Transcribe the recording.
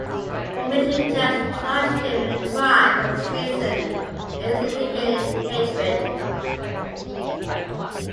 The military judge charged him with the crimes of treason and instigating hatred.